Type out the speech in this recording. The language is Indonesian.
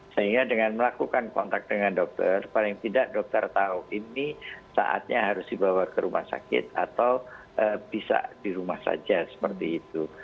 sehingga dengan melakukan kontak dengan dokter paling tidak dokter tahu ini saatnya harus dibawa ke rumah sakit atau bisa di rumah saja seperti itu